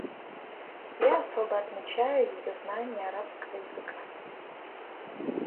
Я особо отмечаю ее знание арабского языка.